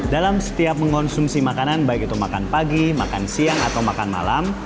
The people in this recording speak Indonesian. dalam setiap mengonsumsi makanan baik itu makan pagi makan siang atau makan malam